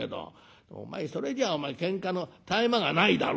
お前それじゃお前けんかの絶え間がないだろ」。